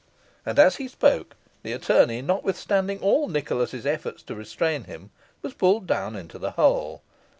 And, as he spoke, the attorney, notwithstanding all Nicholas's efforts to restrain him, was pulled down into the hole.